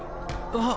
あっ。